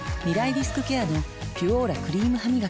リスクケアの「ピュオーラ」クリームハミガキ